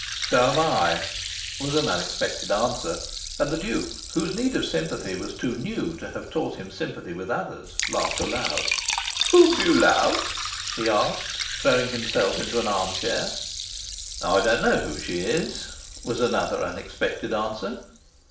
"So am I," was an unexpected answer, and the Duke (whose need of sympathy was too new to have taught him sympathy with others) laughed aloud. "Whom do you love?" he asked, throwing himself into an arm chair. "I don't know who she is," was another unexpected answer.